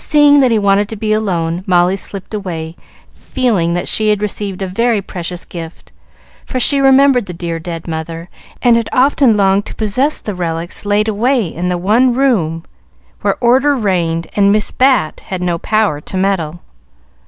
Seeing that he wanted to be alone, Molly slipped away, feeling that she had received a very precious gift; for she remembered the dear, dead mother, and had often longed to possess the relics laid away in the one room where order reigned and Miss Bat had no power to meddle.